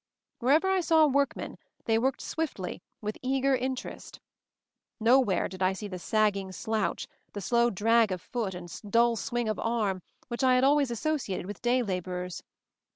Wherever I saw workmen, they worked swiftly, with eager interest. Nowhere did I see the sagging slouch, the slow drag of foot and dull swing of arm which I had al ways associated with day laborers.